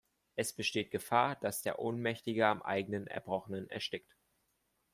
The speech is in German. Es besteht Gefahr, dass der Ohnmächtige am eigenen Erbrochenen erstickt.